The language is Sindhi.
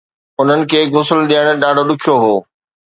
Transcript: انهن کي غسل ڏيڻ ڏاڍو ڏکيو هو